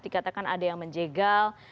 dikatakan ada yang menjegal